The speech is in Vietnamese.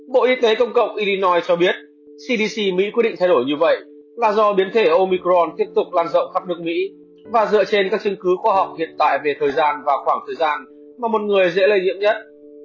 bộ y tế công cộng illinois cho biết cdc mỹ quyết định thay đổi như vậy là do biến thể omicron tiếp tục lan rộng khắp nước mỹ và dựa trên các chứng cứ khoa học hiện tại về thời gian và khoảng thời gian mà một người dễ lây nhiễm nhất